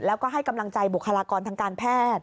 แล้วก็ให้กำลังใจบุคลากรทางการแพทย์